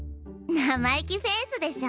生意気フェイスでしょ！